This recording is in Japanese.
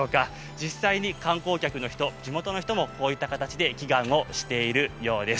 実際に観光客の人、地元の人もこういった形で祈願をしているようです。